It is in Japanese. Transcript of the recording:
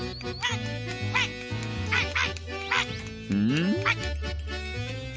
ん？